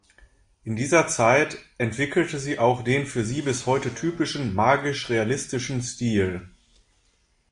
In dieser Zeit entwickelte sie auch den für sie bis heute typischen magisch-realistischen Stil.